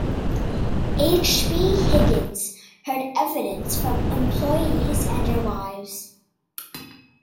H. B. Higgins heard evidence from employees and their wives.